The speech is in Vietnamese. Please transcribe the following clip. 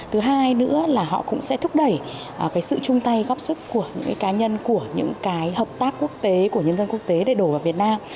thứ hai nữa là họ cũng sẽ thúc đẩy cái sự chung tay góp sức của những cái cá nhân của những cái hợp tác quốc tế của nhân dân quốc tế để đổ vào việt nam